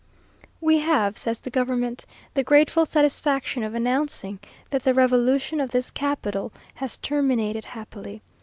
_" "We have," says the government, "the grateful satisfaction of announcing, that the revolution of this capital has terminated happily.